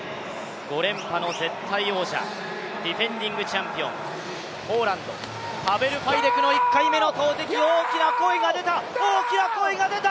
５連覇の絶対王者、ディフェンディングチャンピオン、ポーランド、パベル・ファイデクの１回目の投てき、大きな声が出た！